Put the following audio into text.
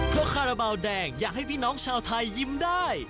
เพราะคาราบาลแดงอยากให้พี่น้องชาวไทยยิ้มได้